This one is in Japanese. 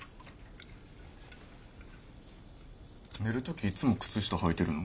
寝る時いっつも靴下はいてるの？